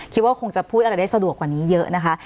คิดว่าคงจะพูดอะไรได้สะดวกกว่านี้เยอะนะคะ